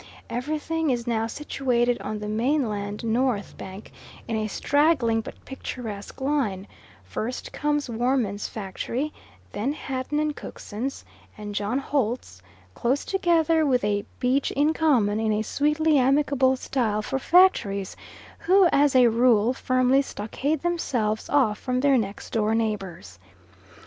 Everything is now situated on the mainland north bank, in a straggling but picturesque line; first comes Woermann's factory, then Hatton and Cookson's, and John Holt's, close together with a beach in common in a sweetly amicable style for factories, who as a rule firmly stockade themselves off from their next door neighbours.